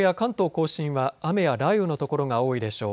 甲信は雨や雷雨の所が多いでしょう。